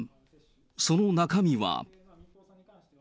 その中身は。